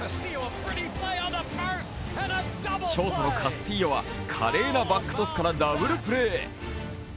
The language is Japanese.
ショートのカスティーヨは華麗なバックトスからダブルプレー。